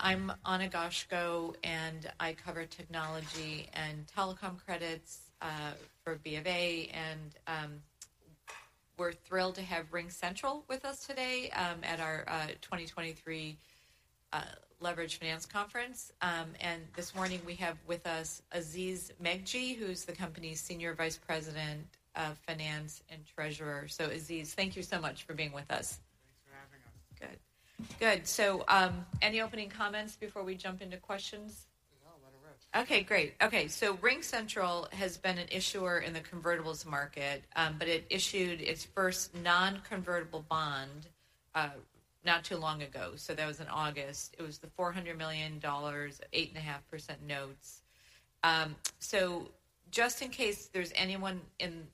I'm Ana Goshko, and I cover technology and telecom credits for B of A. We're thrilled to have RingCentral with us today at our 2023 Leveraged Finance Conference. This morning, we have with us Aziz Megji, who's the company's Senior Vice President of Finance and Treasurer. So, Aziz, thank you so much for being with us. Thanks for having us. Good. Good. So, any opening comments before we jump into questions? No, let it rip. Okay, great. Okay, so RingCentral has been an issuer in the convertibles market, but it issued its first non-convertible bond, not too long ago, so that was in August. It was the $400 million, 8.5% notes. So just in case there's anyone in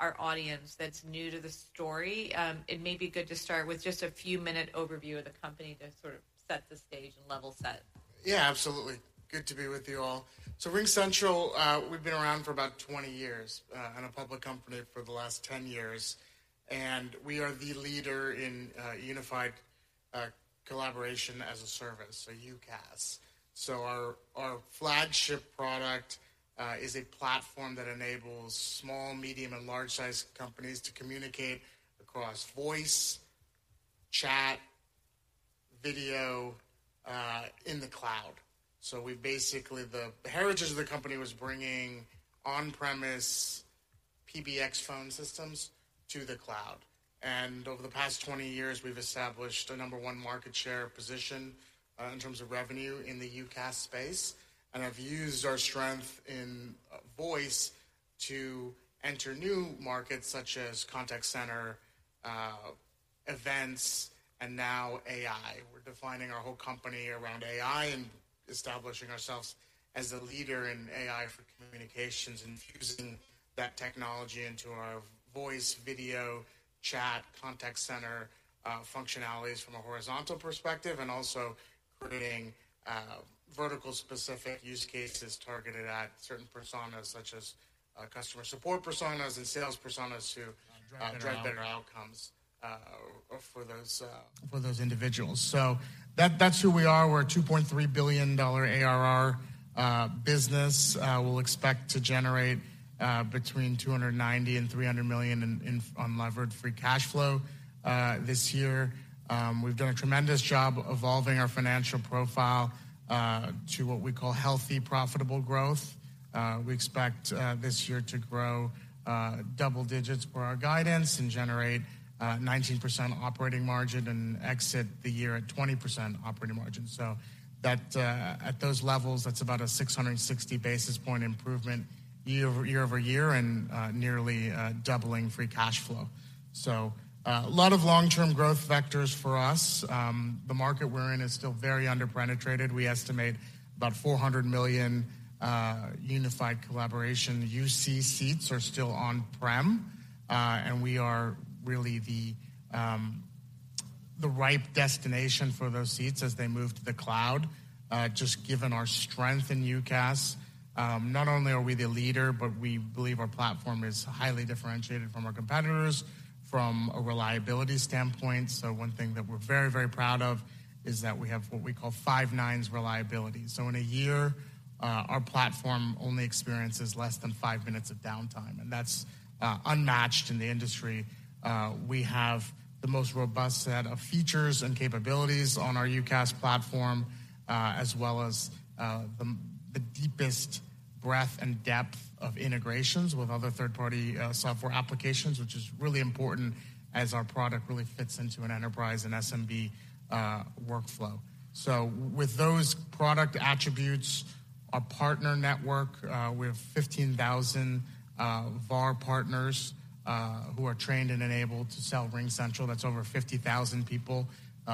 our audience that's new to the story, it may be good to start with just a few minute overview of the company to sort of set the stage and level set. Yeah, absolutely. Good to be with you all. So RingCentral, we've been around for about 20 years, and a public company for the last 10 years, and we are the leader in unified collaboration as a service, so UCaaS. So our flagship product is a platform that enables small, medium, and large-sized companies to communicate across voice, chat, video, in the cloud. So we basically—the heritage of the company was bringing on-premise PBX phone systems to the cloud, and over the past 20 years, we've established a number one market share position, in terms of revenue in the UCaaS space. And have used our strength in voice to enter new markets such as contact center, events, and now AI. We're defining our whole company around AI and establishing ourselves as a leader in AI for communications, infusing that technology into our voice, video, chat, contact center, functionalities from a horizontal perspective, and also creating, vertical specific use cases targeted at certain personas, such as, customer support personas and sales personas to- Drive better outcomes, for those, for those individuals. So that's who we are. We're a $2.3 billion ARR business. We'll expect to generate between $290 million and $300 million in levered free cash flow this year. We've done a tremendous job evolving our financial profile to what we call healthy, profitable growth. We expect this year to grow double digits for our guidance and generate 19% operating margin and exit the year at 20% operating margin. So that, at those levels, that's about a 660 basis point improvement year-over-year and nearly doubling free cash flow. So, a lot of long-term growth vectors for us. The market we're in is still very underpenetrated. We estimate about 400 million unified collaboration UCaaS seats are still on-prem, and we are really the ripe destination for those seats as they move to the cloud. Just given our strength in UCaaS, not only are we the leader, but we believe our platform is highly differentiated from our competitors from a reliability standpoint. So one thing that we're very, very proud of is that we have what we call five nines reliability. So in a year, our platform only experiences less than 5 minutes of downtime, and that's unmatched in the industry. We have the most robust set of features and capabilities on our UCaaS platform, as well as the deepest breadth and depth of integrations with other third-party software applications, which is really important as our product really fits into an enterprise and SMB workflow. So with those product attributes, our partner network, we have 15,000 VAR partners who are trained and enabled to sell RingCentral. That's over 50,000 people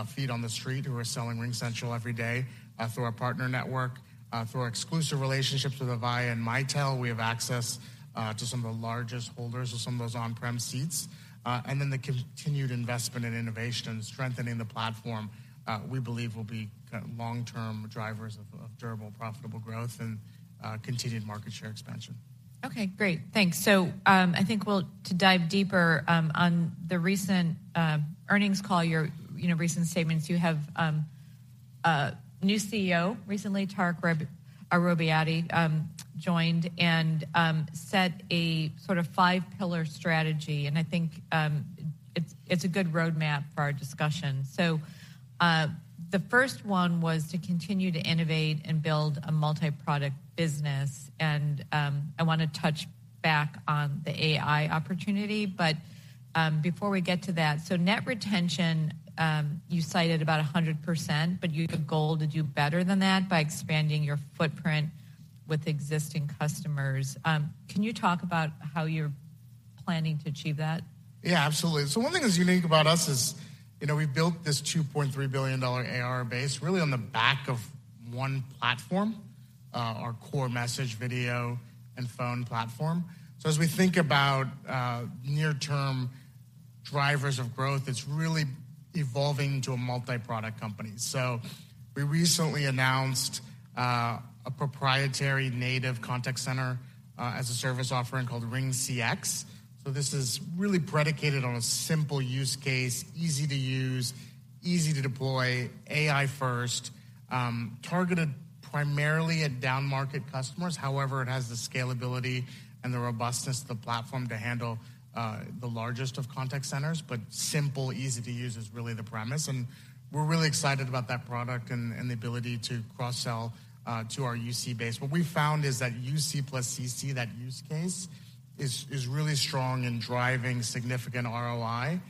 feet on the street who are selling RingCentral every day through our partner network. Through our exclusive relationships with Avaya and Mitel, we have access to some of the largest holders of some of those on-prem seats. And then the continued investment in innovation and strengthening the platform, we believe, will be long-term drivers of durable, profitable growth and continued market share expansion. Okay, great. Thanks. So, to dive deeper on the recent earnings call, your, you know, recent statements, you have a new CEO. Recently, Tarek Robbiati joined and set a sort of five-pillar strategy, and I think it's a good roadmap for our discussion. So, the first one was to continue to innovate and build a multi-product business, and I want to touch back on the AI opportunity. But, before we get to that, so net retention, you cited about 100%, but you have a goal to do better than that by expanding your footprint with existing customers. Can you talk about how you're planning to achieve that? Yeah, absolutely. So one thing that's unique about us is, you know, we built this $2.3 billion ARR base really on the back of one platform, our core message, video, and phone platform. So as we think about near-term drivers of growth, it's really evolving into a multi-product company. So we recently announced a proprietary native contact center as a service offering called RingCX. So this is really predicated on a simple use case, easy to use, easy to deploy, AI first, targeted primarily at downmarket customers. However, it has the scalability and the robustness of the platform to handle the largest of contact centers. But simple, easy to use is really the premise, and we're really excited about that product and the ability to cross-sell to our UC base. What we've found is that UC plus CC, that use case, is really strong in driving significant ROI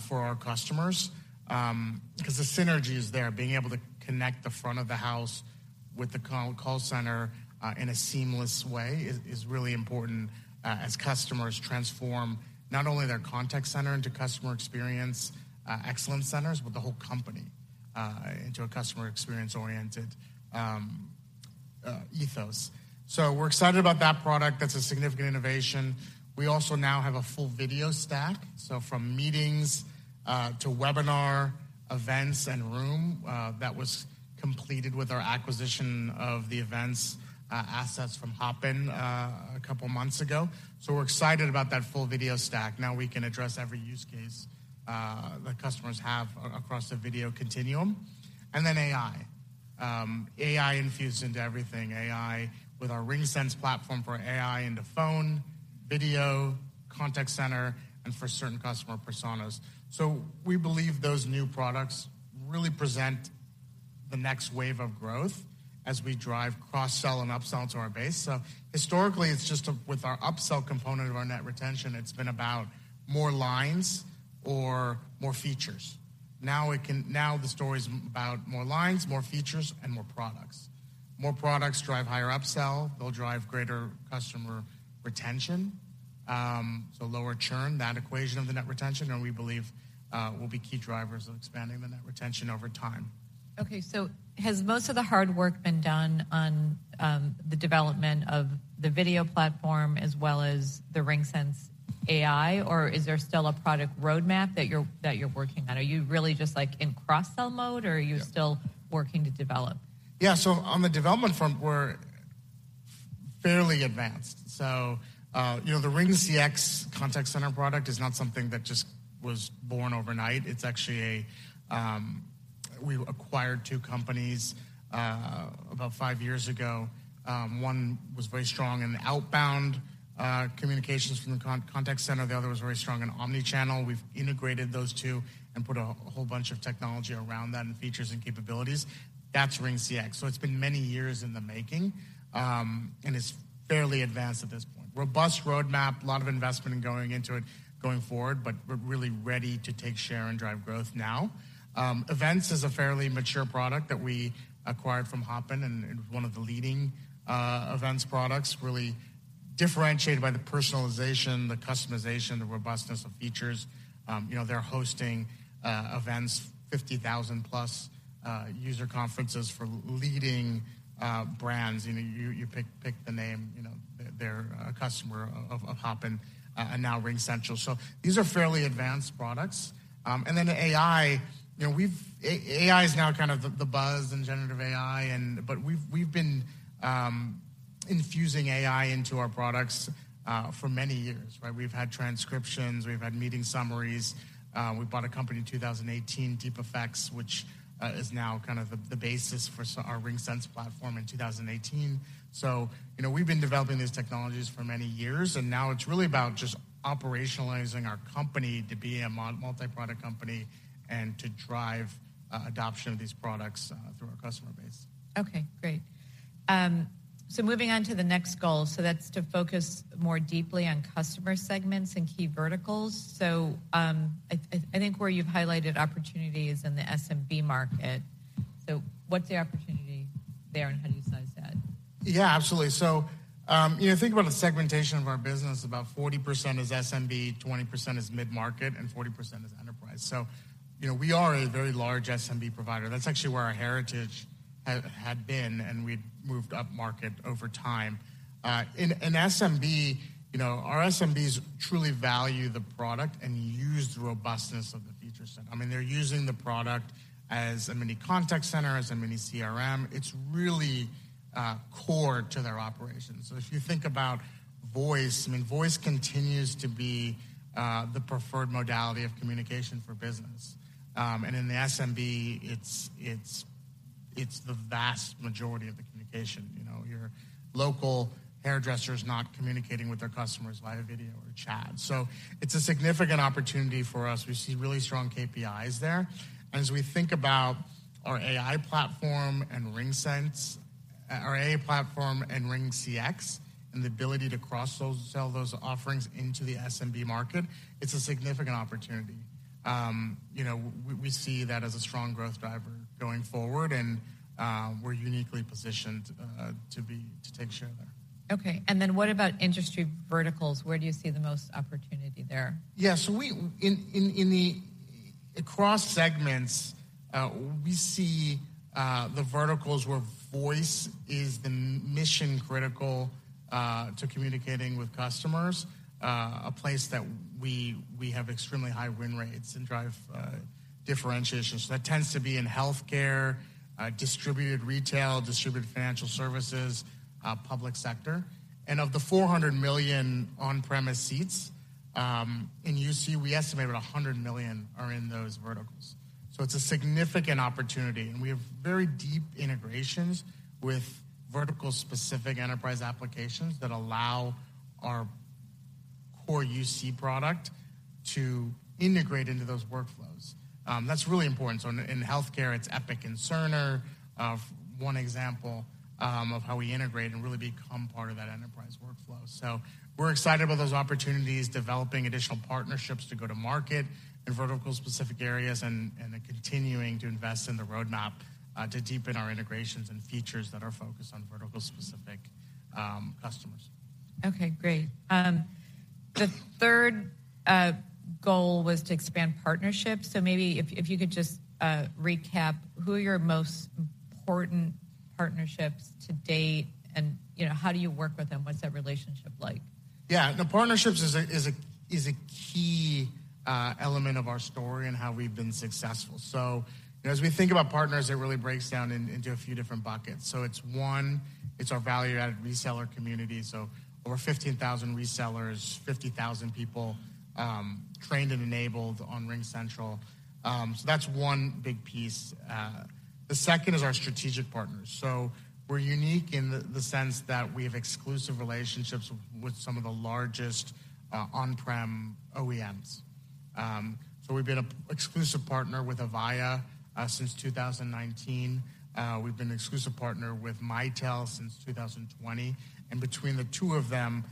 for our customers. Because the synergy is there. Being able to connect the front of the house with the call center in a seamless way is really important as customers transform not only their contact center into customer experience excellence centers, but the whole company into a customer experience-oriented ethos. So we're excited about that product. That's a significant innovation. We also now have a full video stack, so from meetings to webinar, events, and room, that was completed with our acquisition of the events assets from Hopin a couple months ago. So we're excited about that full video stack. Now we can address every use case that customers have across the video continuum. And then AI. AI infused into everything, AI with our RingSense platform for AI into phone, video, contact center, and for certain customer personas. So we believe those new products really present the next wave of growth as we drive cross-sell and upsell to our base. So historically, it's just with our upsell component of our net retention, it's been about more lines or more features. Now the story's about more lines, more features, and more products. More products drive higher upsell. They'll drive greater customer retention, so lower churn, that equation of the net retention, and we believe will be key drivers of expanding the net retention over time. Okay, so has most of the hard work been done on the development of the video platform as well as the RingSense AI, or is there still a product roadmap that you're working on? Are you really just, like, in cross-sell mode, or are you- Yeah. Still working to develop? Yeah, so on the development front, we're fairly advanced. So, you know, the RingCX contact center product is not something that just was born overnight. It's actually a... We acquired two companies, about five years ago. One was very strong in outbound, communications from the contact center. The other was very strong in omni-channel. We've integrated those two and put a whole bunch of technology around that and features and capabilities. That's RingCX. So it's been many years in the making, and it's fairly advanced at this point. Robust roadmap, a lot of investment in going into it going forward, but we're really ready to take share and drive growth now. Events is a fairly mature product that we acquired from Hopin, and it's one of the leading events products, really differentiated by the personalization, the customization, the robustness of features. You know, they're hosting events, 50,000-plus user conferences for leading brands. You know, you pick the name. You know, they're a customer of Hopin and now RingCentral. So these are fairly advanced products. And then the AI, you know, AI is now kind of the buzz in generative AI and... But we've been infusing AI into our products for many years, right? We've had transcriptions. We've had meeting summaries. We bought a company in 2018, DeepAffects, which is now kind of the basis for our RingSense platform in 2018. You know, we've been developing these technologies for many years, and now it's really about just operationalizing our company to be a multiproduct company and to drive adoption of these products through our customer base. Okay, great. So moving on to the next goal, so that's to focus more deeply on customer segments and key verticals. So, I think where you've highlighted opportunity is in the SMB market. So what's the opportunity there, and how do you size that? Yeah, absolutely. So, you know, think about the segmentation of our business. About 40% is SMB, 20% is mid-market, and 40% is enterprise. So, you know, we are a very large SMB provider. That's actually where our heritage had been, and we've moved upmarket over time. In SMB, you know, our SMBs truly value the product and use the robustness of the features. I mean, they're using the product as a mini contact center, as a mini CRM. It's really core to their operations. So if you think about voice, I mean, voice continues to be the preferred modality of communication for business. And in the SMB, it's the vast majority of the communication. You know, your local hairdresser is not communicating with their customers via video or chat. So it's a significant opportunity for us. We see really strong KPIs there. As we think about our AI platform and RingSense, our AI platform and RingCX, and the ability to cross-sell those offerings into the SMB market, it's a significant opportunity. You know, we see that as a strong growth driver going forward, and we're uniquely positioned to be, to take share there. Okay, and then what about industry verticals? Where do you see the most opportunity there? Across segments, we see the verticals where voice is the mission-critical to communicating with customers, a place that we have extremely high win rates and drive differentiation. So that tends to be in healthcare, distributed retail, distributed financial services, public sector. And of the 400 million on-premise seats in UC, we estimate about 100 million are in those verticals. So it's a significant opportunity, and we have very deep integrations with vertical-specific enterprise applications that allow our core UC product to integrate into those workflows. That's really important. So in healthcare, it's Epic and Cerner, one example, of how we integrate and really become part of that enterprise workflow. So we're excited about those opportunities, developing additional partnerships to go to market in vertical-specific areas, and then continuing to invest in the roadmap, to deepen our integrations and features that are focused on vertical-specific customers. Okay, great. The third goal was to expand partnerships. So maybe if you could just recap who are your most important partnerships to date, and, you know, how do you work with them? What's that relationship like? Yeah, the partnerships is a key element of our story and how we've been successful. So, as we think about partners, it really breaks down into a few different buckets. So it's one, it's our value-added reseller community, so over 15,000 resellers, 50,000 people, trained and enabled on RingCentral. So that's one big piece. The second is our strategic partners. So we're unique in the sense that we have exclusive relationships with some of the largest on-prem OEMs. So we've been an exclusive partner with Avaya since 2019. We've been an exclusive partner with Mitel since 2020. And between the two of them,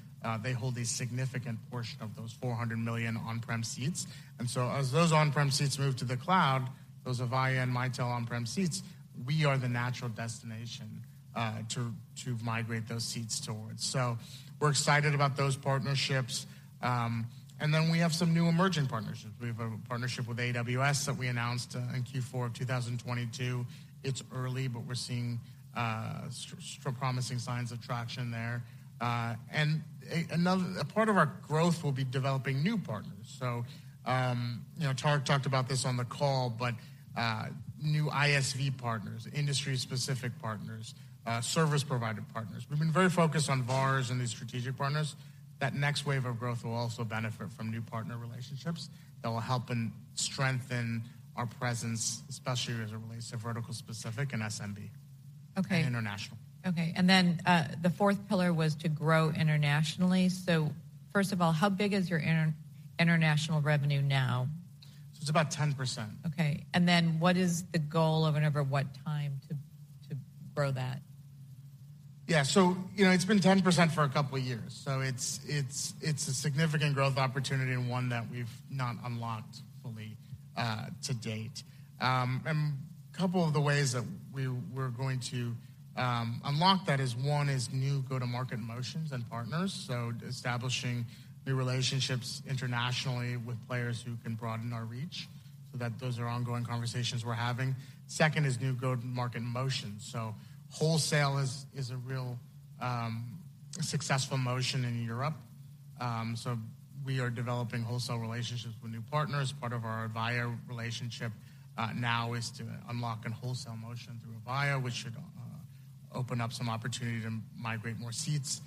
they hold a significant portion of those 400 million on-prem seats. And so as those on-prem seats move to the cloud, those Avaya and Mitel on-prem seats, we are the natural destination, to migrate those seats towards. So we're excited about those partnerships. And then we have some new emerging partnerships. We have a partnership with AWS that we announced in Q4 of 2022. It's early, but we're seeing promising signs of traction there. And another part of our growth will be developing new partners. So, you know, Tarek talked about this on the call, but new ISV partners, industry-specific partners, service provider partners. We've been very focused on VARs and these strategic partners. That next wave of growth will also benefit from new partner relationships that will help and strengthen our presence, especially as it relates to vertical-specific and SMB- Okay. And international. Okay, and then, the fourth pillar was to grow internationally. So first of all, how big is your international revenue now? It's about 10%. Okay, and then what is the goal and over what time to grow that? Yeah. So, you know, it's been 10% for a couple of years, so it's a significant growth opportunity and one that we've not unlocked fully to date. And couple of the ways that we're going to unlock that is, one, is new go-to-market motions and partners, so establishing new relationships internationally with players who can broaden our reach, so those are ongoing conversations we're having. Second is new go-to-market motions. So wholesale is a real successful motion in Europe. So we are developing wholesale relationships with new partners. Part of our Avaya relationship now is to unlock a wholesale motion through Avaya, which should open up some opportunity to migrate more seats.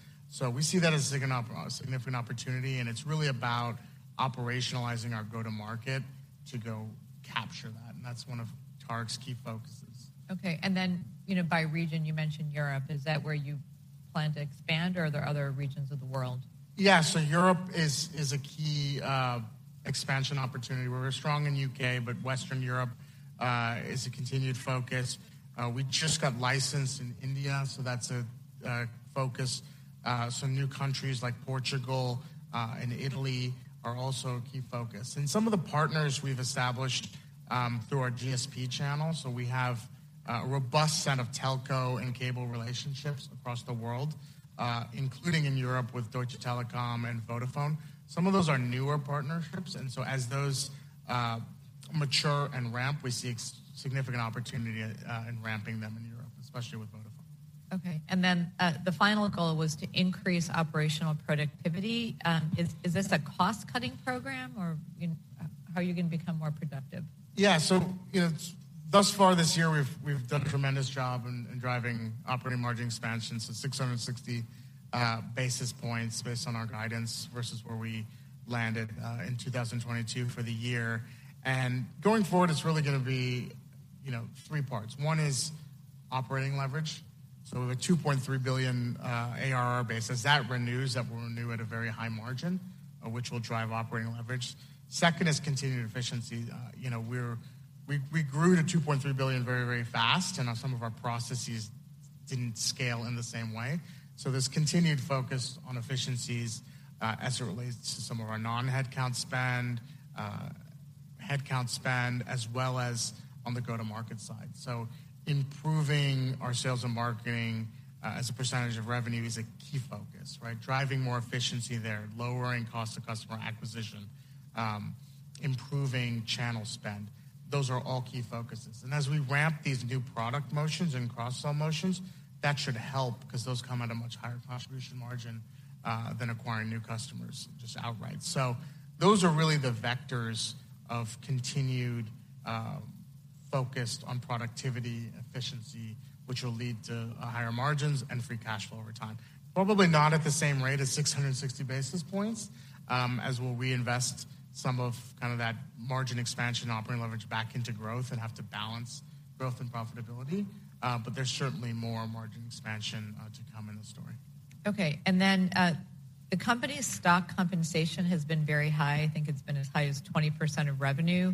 We see that as a significant opportunity, and it's really about operationalizing our go-to-market to go capture that, and that's one of Tarek's key focuses. Okay. And then, you know, by region, you mentioned Europe. Is that where you plan to expand, or are there other regions of the world? Yeah. So Europe is a key expansion opportunity. We're strong in U.K., but Western Europe is a continued focus. We just got licensed in India, so that's a focus. Some new countries like Portugal and Italy are also a key focus. And some of the partners we've established through our GSP channel, so we have a robust set of telco and cable relationships across the world, including in Europe with Deutsche Telekom and Vodafone. Some of those are newer partnerships, and so as those mature and ramp, we see a significant opportunity in ramping them in Europe, especially with Vodafone. Okay. Then, the final goal was to increase operational productivity. Is this a cost-cutting program, or, you know, how are you going to become more productive? Yeah. So, you know, thus far this year, we've done a tremendous job in driving operating margin expansion, so 660 basis points based on our guidance versus where we landed in 2022 for the year. And going forward, it's really gonna be, you know, three parts. One is operating leverage. So we have a $2.3 billion ARR base. As that renews, that will renew at a very high margin, which will drive operating leverage. Second is continued efficiency. You know, we grew to $2.3 billion very, very fast, and some of our processes didn't scale in the same way. So this continued focus on efficiencies, as it relates to some of our non-headcount spend, headcount spend, as well as on the go-to-market side. So improving our sales and marketing as a percentage of revenue is a key focus, right? Driving more efficiency there, lowering cost of customer acquisition, improving channel spend. Those are all key focuses. And as we ramp these new product motions and cross-sell motions, that should help because those come at a much higher contribution margin than acquiring new customers just outright. So those are really the vectors of continued focused on productivity, efficiency, which will lead to higher margins and free cash flow over time. Probably not at the same rate as 660 basis points, as we'll reinvest some of kind of that margin expansion operating leverage back into growth and have to balance growth and profitability. But there's certainly more margin expansion to come in the story. Okay, and then, the company's stock compensation has been very high. I think it's been as high as 20% of revenue.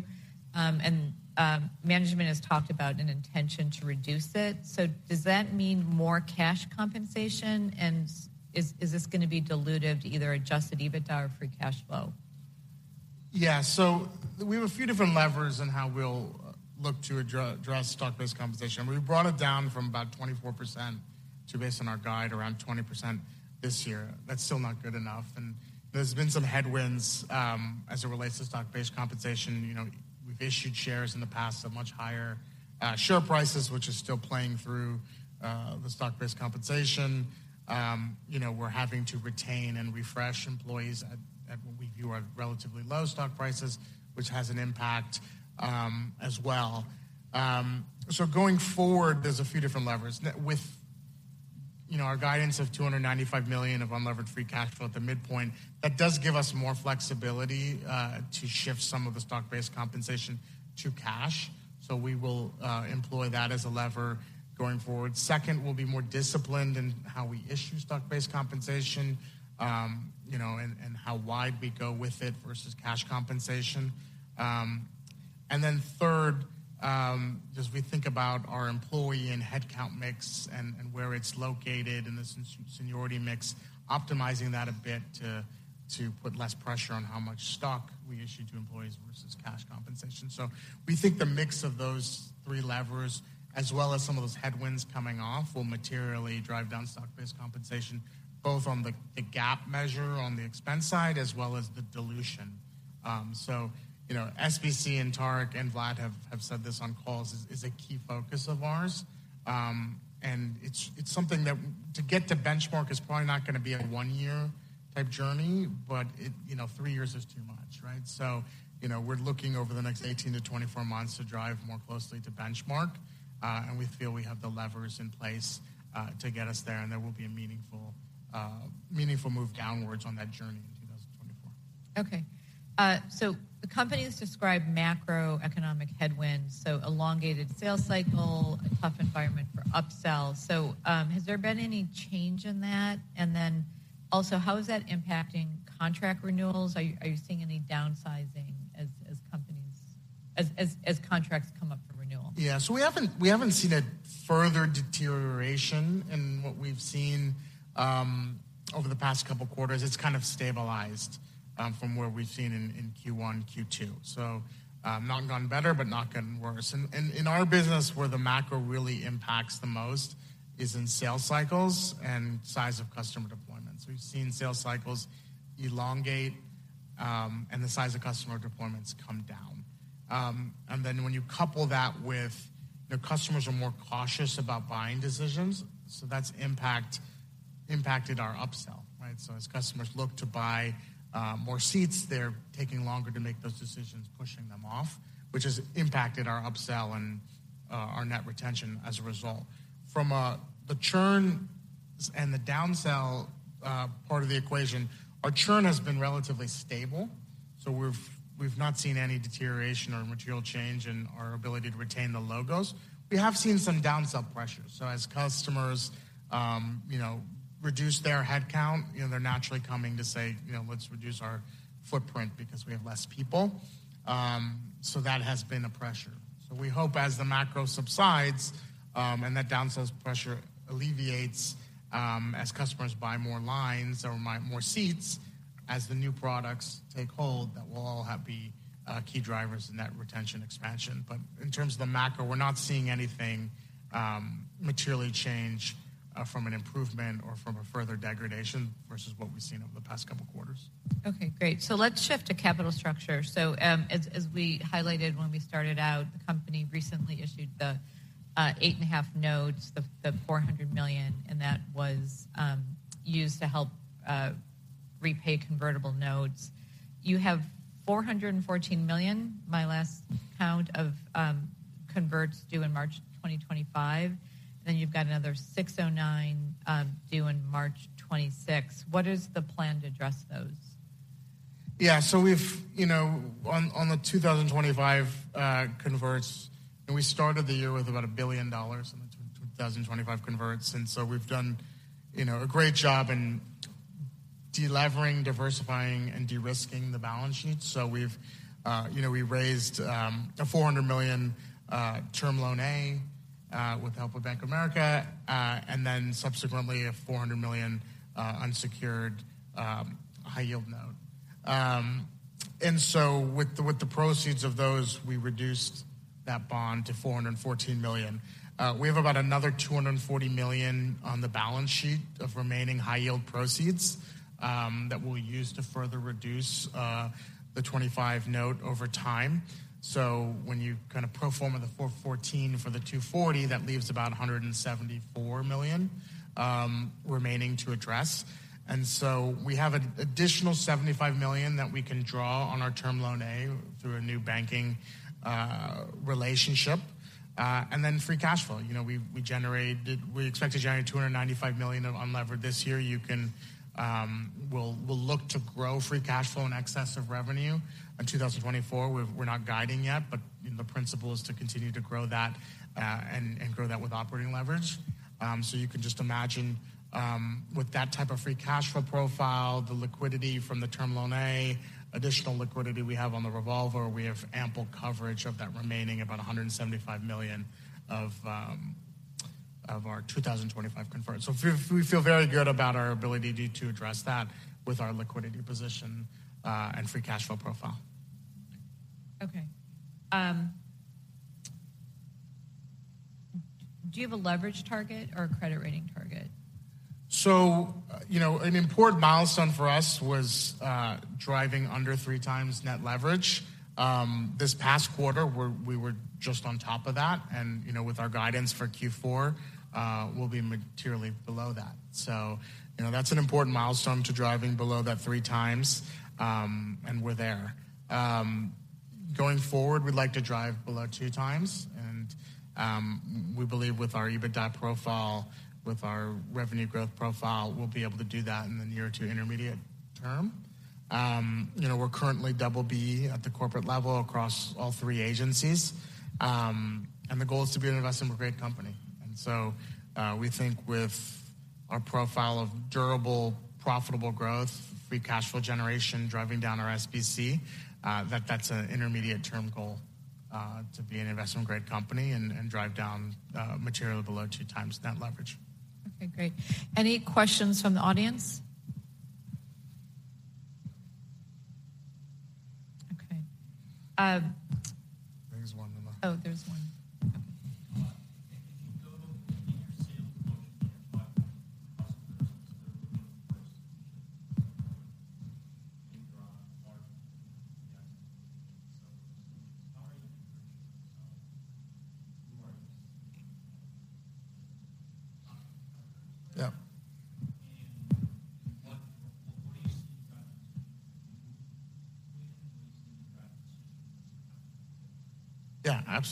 Management has talked about an intention to reduce it. So does that mean more cash compensation, and is this going to be dilutive to either adjusted EBITDA or free cash flow? Yeah, so we have a few different levers on how we'll look to address stock-based compensation. We brought it down from about 24% to, based on our guide, around 20% this year. That's still not good enough, and there's been some headwinds as it relates to stock-based compensation. You know, we've issued shares in the past at much higher share prices, which is still playing through the stock-based compensation. You know, we're having to retain and refresh employees at what we view are relatively low stock prices, which has an impact as well. So going forward, there's a few different levers. With, you know, our guidance of $295 million of unlevered free cash flow at the midpoint, that does give us more flexibility to shift some of the stock-based compensation to cash. So we will employ that as a lever going forward. Second, we'll be more disciplined in how we issue stock-based compensation, you know, and how wide we go with it versus cash compensation. And then third, as we think about our employee and headcount mix and where it's located in the seniority mix, optimizing that a bit to put less pressure on how much stock we issue to employees versus cash compensation. So we think the mix of those three levers, as well as some of those headwinds coming off, will materially drive down stock-based compensation, both on the GAAP measure on the expense side as well as the dilution. So, you know, SBC and Tarek and Vlad have said this on calls, is a key focus of ours. And it's something that to get to benchmark is probably not going to be a one-year type journey, but it... You know, three years is too much, right? So, you know, we're looking over the next 18-24 months to drive more closely to benchmark, and we feel we have the levers in place to get us there, and there will be a meaningful move downwards on that journey in 2024. Okay, so the company's described macroeconomic headwinds, so elongated sales cycle, a tough environment for upsells. So, has there been any change in that? And then also, how is that impacting contract renewals? Are you seeing any downsizing as companies, as contracts come up for renewal? Yeah. So we haven't seen a further deterioration in what we've seen over the past couple quarters. It's kind of stabilized from where we've seen in Q1, Q2. So not gotten better, but not gotten worse. And in our business, where the macro really impacts the most is in sales cycles and size of customer deployments. We've seen sales cycles elongate and the size of customer deployments come down. And then when you couple that with the customers are more cautious about buying decisions, so that's impacted our upsell, right? So as customers look to buy more seats, they're taking longer to make those decisions, pushing them off, which has impacted our upsell and our net retention as a result. From the churns and the downsell part of the equation, our churn has been relatively stable, so we've, we've not seen any deterioration or material change in our ability to retain the logos. We have seen some downsell pressure. So as customers, you know, reduce their headcount, you know, they're naturally coming to say, "You know, let's reduce our footprint because we have less people." So that has been a pressure. So we hope as the macro subsides and that downsells pressure alleviates, as customers buy more lines or more seats, as the new products take hold, that will all have be key drivers in that retention expansion. But in terms of the macro, we're not seeing anything materially change from an improvement or from a further degradation versus what we've seen over the past couple of quarters. Okay, great. So let's shift to capital structure. So, as, as we highlighted when we started out, the company recently issued the 8.5 notes, the $400 million, and that was used to help repay convertible notes. You have $414 million, my last count of converts due in March 2025, then you've got another $609 due in March 2026. What is the plan to address those? Yeah, so we've, you know, on the 2025 converts, and we started the year with about $1 billion in the 2025 converts, and so we've done, you know, a great job in delevering, diversifying, and de-risking the balance sheet. So we've, you know, we've raised a $400 million term loan A with the help of Bank of America, and then subsequently, a $400 million unsecured high-yield note. And so with the proceeds of those, we reduced that bond to $414 million. We have about another $240 million on the balance sheet of remaining high-yield proceeds that we'll use to further reduce the 2025 note over time. So when you kind of pro forma the $414 million for the $240 million, that leaves about $174 million remaining to address. So we have an additional $75 million that we can draw on our term loan A through a new banking relationship, and then free cash flow. You know, we expect to generate $295 million of unlevered this year. You can—we'll look to grow free cash flow in excess of revenue. In 2024, we're not guiding yet, but you know, the principle is to continue to grow that, and grow that with operating leverage. So you can just imagine, with that type of free cash flow profile, the liquidity from the term loan A, additional liquidity we have on the revolver, we have ample coverage of that remaining about $175 million of our 2025 convert. So we feel very good about our ability to address that with our liquidity position, and free cash flow profile. Okay. Do you have a leverage target or a credit rating target? So, you know, an important milestone for us was driving under 3x net leverage. This past quarter, we were just on top of that, and, you know, with our guidance for Q4, we'll be materially below that. So, you know, that's an important milestone to driving below that 3x, and we're there. Going forward, we'd like to drive below 2x, and we believe with our EBITDA profile, with our revenue growth profile, we'll be able to do that in the near to intermediate term. You know, we're currently BB at the corporate level across all three agencies, and the goal is to be an investment-grade company. And so, we think with our profile of durable, profitable growth, free cash flow generation, driving down our SBC, that that's an intermediate-term goal, to be an investment-grade company and, and drive down, materially below 2x net leverage. Okay, great. Any questions from the audience? Okay. There's one in the- Oh, there's one.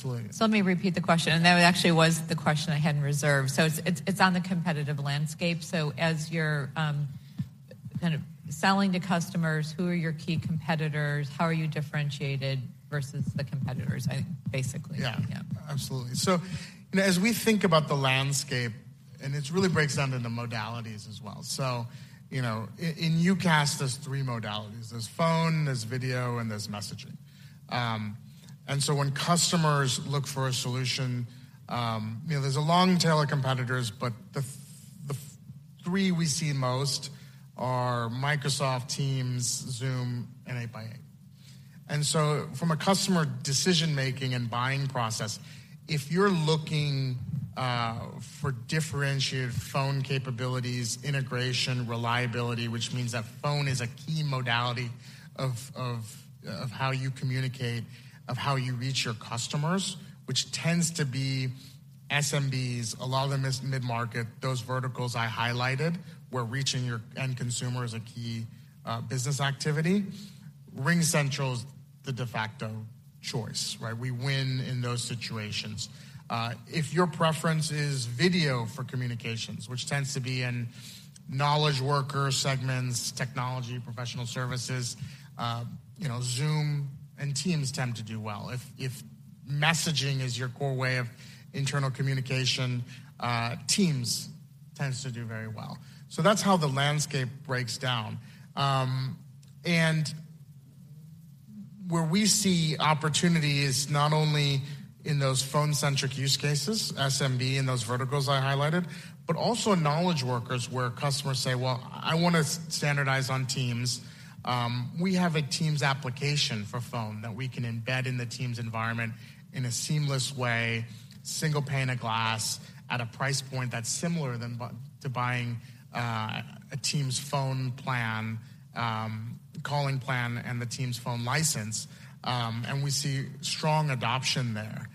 If you go in your sales quote in your platform, yeah. And what, what do you see? Yeah, absolutely. So let me repeat the question, and that actually was the question I had in reserve. So it's, it's on the competitive landscape. So as you're kind of selling to customers, who are your key competitors? How are you differentiated versus the competitors, basically? Yeah. Yeah. Absolutely. So, you know, as we think about the landscape, and it really breaks down into modalities as well. So, you know, in UCaaS, there's three modalities. There's phone, there's video, and there's messaging. And so when customers look for a solution, you know, there's a long tail of competitors, but the three we see most are Microsoft Teams, Zoom, and 8x8. And so from a customer decision-making and buying process, if you're looking for differentiated phone capabilities, integration, reliability, which means that phone is a key modality of how you communicate, of how you reach your customers, which tends to be SMBs, a lot of them is mid-market, those verticals I highlighted, where reaching your end consumer is a key business activity. RingCentral is the de facto choice, right? We win in those situations. If your preference is video for communications, which tends to be in knowledge worker segments, technology, professional services, you know, Zoom and Teams tend to do well. If messaging is your core way of internal communication, Teams tends to do very well. So that's how the landscape breaks down. And where we see opportunity is not only in those phone-centric use cases, SMB and those verticals I highlighted, but also in knowledge workers, where customers say, "Well, I want to standardize on Teams." We have a Teams application for phone that we can embed in the Teams environment in a seamless way, single pane of glass, at a price point that's similar to buying a Teams phone plan, calling plan, and the Teams phone license. And we see strong adoption there,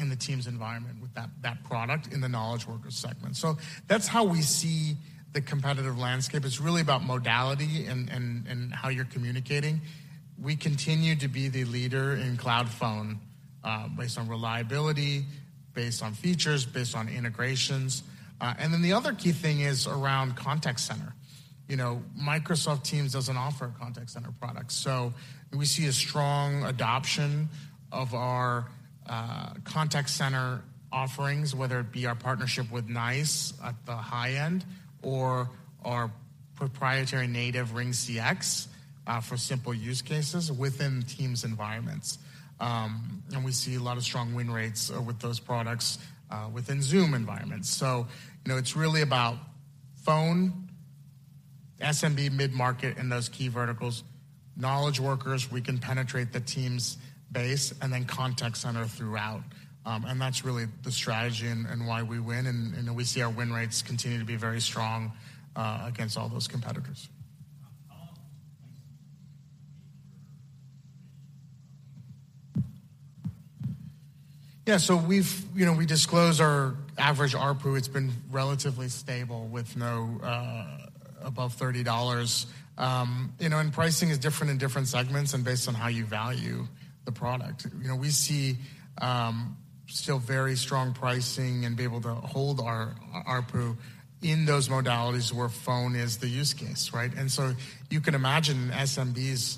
in the Teams environment with that product in the knowledge worker segment. So that's how we see the competitive landscape. It's really about modality and how you're communicating. We continue to be the leader in cloud phone, based on reliability, based on features, based on integrations. And then the other key thing is around contact center. You know, Microsoft Teams doesn't offer a contact center product, so we see a strong adoption of our contact center offerings, whether it be our partnership with NICE at the high end or our proprietary native RingCX for simple use cases within Teams environments. And we see a lot of strong win rates with those products within Zoom environments. So, you know, it's really about phone, SMB mid-market in those key verticals, knowledge workers, we can penetrate the teams base and then contact center throughout. And that's really the strategy and why we win, and we see our win rates continue to be very strong against all those competitors. Um, Yeah, so we've you know, we disclose our average ARPU. It's been relatively stable with no above $30. You know, and pricing is different in different segments and based on how you value the product. You know, we see still very strong pricing and be able to hold our ARPU in those modalities where phone is the use case, right? And so you can imagine SMBs,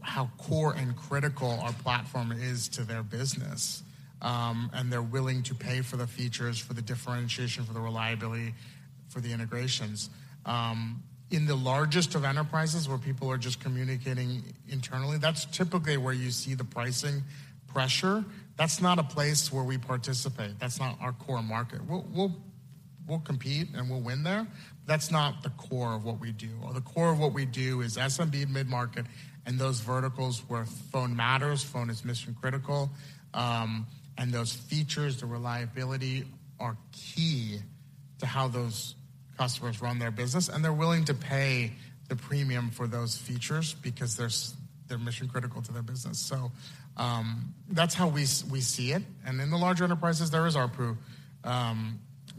how core and critical our platform is to their business. And they're willing to pay for the features, for the differentiation, for the reliability, for the integrations. In the largest of enterprises, where people are just communicating internally, that's typically where you see the pricing pressure. That's not a place where we participate. That's not our core market. We'll compete, and we'll win there. That's not the core of what we do. Well, the core of what we do is SMB mid-market, and those verticals where phone matters, phone is mission-critical. And those features, the reliability, are key to how those customers run their business, and they're willing to pay the premium for those features because they're they're mission-critical to their business. So, that's how we see it, and in the larger enterprises, there is ARPU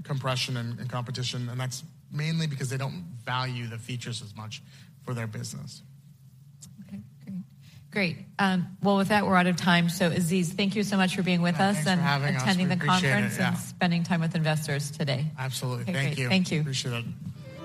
compression and competition, and that's mainly because they don't value the features as much for their business. Okay, great. Great, well, with that, we're out of time. So, Aziz, thank you so much for being with us- Thanks for having us. And attending the conference. We appreciate it, yeah. And spending time with investors today. Absolutely. Okay. Thank you. Thank you. Appreciate it.